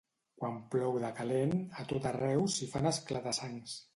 Quan plou de calent, a tot arreu s'hi fan esclata-sangs.